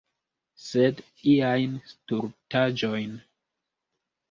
Sed iajn stultaĵojn.